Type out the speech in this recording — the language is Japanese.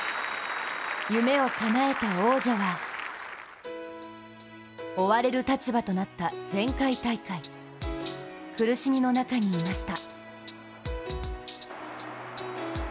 夢をかなえた王者は、追われる立場となった前回大会、苦しみの中にいました。